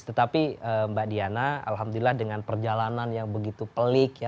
tetapi mbak diana alhamdulillah dengan perjalanan yang begitu pelik